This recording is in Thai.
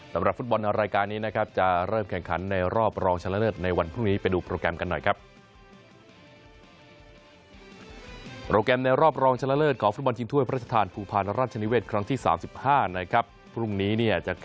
สำหรับฟุตบอลในรายการนี้นะครับจะเริ่มแข่งขันในรอบรองชันเลอร์ในวันพรุ่งนี้